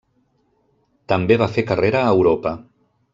També va fer carrera a Europa.